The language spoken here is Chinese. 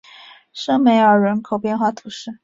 圣梅尔人口变化图示